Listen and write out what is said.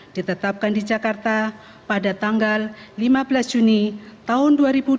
ditetapkan di jakarta pada tanggal lima belas juni tahun dua ribu dua puluh